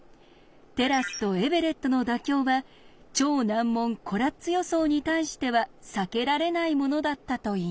テラスとエベレットの妥協は超難問コラッツ予想に対しては避けられないものだったといいます。